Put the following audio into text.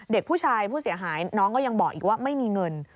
เด็กผู้ชายผู้เสียหายน้องก็ยังบอกอีกว่าไม่มีเงิน